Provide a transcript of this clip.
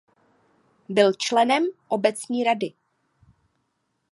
Byl členem obecní rady.